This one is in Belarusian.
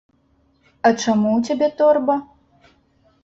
А чаму ў цябе торба?